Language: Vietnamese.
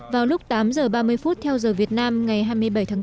vào lúc tám giờ ba mươi phút theo giờ việt nam ngày hai mươi bảy tháng bốn